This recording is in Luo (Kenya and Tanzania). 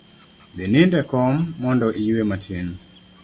Dhi nind e kom mondo iyue matin